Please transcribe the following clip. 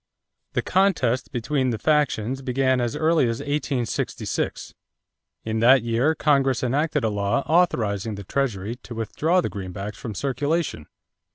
= The contest between these factions began as early as 1866. In that year, Congress enacted a law authorizing the Treasury to withdraw the greenbacks from circulation.